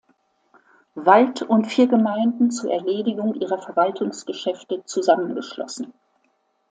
Wald und vier Gemeinden zur Erledigung ihrer Verwaltungsgeschäfte zusammengeschlossen.